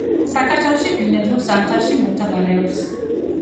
საქართველოში ბინადრობს, ზამთარში მომთაბარეობს.